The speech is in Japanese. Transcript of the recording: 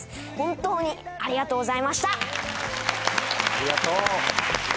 ありがとう。